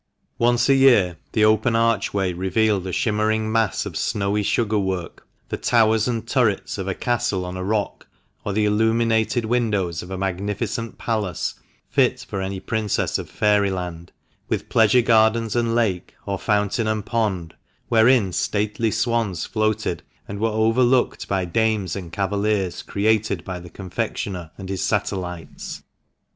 Once a year the open archway revealed a shimmering mass of snowy sugar work, the towers and turrets of a castle on a rock, or the illuminated windows of a magnificent palace, fit for any princess of fairyland, with pleasure gardens and lake, or fountain and pond, wherein stately swans floated, and were overlooked by dames and cavaliers created by the confectioner and his satellites.